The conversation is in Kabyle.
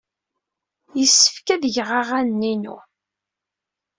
Yessefk ad geɣ aɣanen-inu.